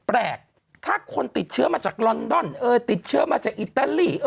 แปลกถ้าคนติดเชื้อมาจากลอนดอนติดเชื้อมาจากอิตาลี